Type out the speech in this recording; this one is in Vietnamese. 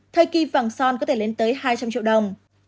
thay khi vàng son có thể lên tới hai trăm linh triệu đồng